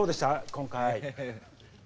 今回。